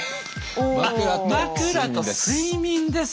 「枕と睡眠」です。